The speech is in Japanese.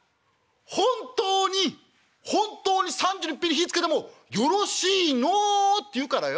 本当に本当に３２いっぺんに火ぃつけてもよろしいの？』って言うからよ